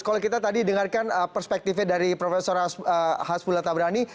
kalau kita tadi dengarkan perspektifnya dari prof hasbullah tabrani